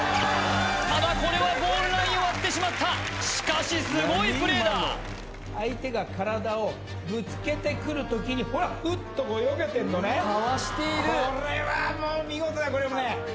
ただこれはゴールラインをわってしまったしかしすごいプレーだ相手が体をぶつけてくる時にほらフッとこうよけてんのねかわしているこれはもう見事だこれもね